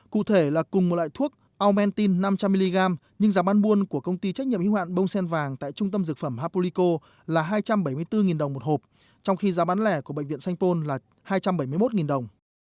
cụ thể là cùng một loại thuốc omentine năm trăm linh mg nhưng giá bán buôn của công ty trách nhiệm hữu hạn bông sen vàng tại trung tâm dược phẩm hapolico là hai trăm bảy mươi bốn đồng một hộp trong khi giá bán lẻ của bệnh viện sanh pôn là hai trăm bảy mươi một đồng